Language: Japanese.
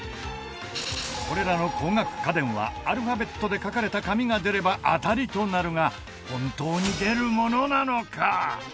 これらの高額家電はアルファベットで書かれた紙が出れば当たりとなるが本当に出るものなのか？